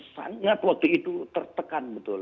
sangat waktu itu tertekan